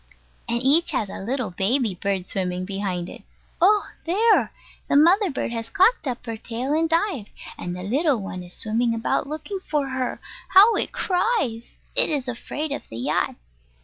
And each has a little baby bird swimming behind it. Oh! there: the mother has cocked up her tail and dived, and the little one is swimming about looking for her! How it cries! It is afraid of the yacht.